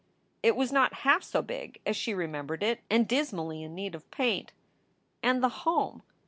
It was not half so big as she remembered it, and dismally in need of paint. And the home!